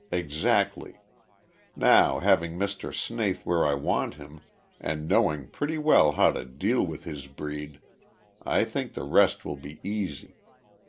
Exactly. Now, having Mr. Snaith where I want him and knowing pretty well how to deal with his breed, I think the rest will be easy.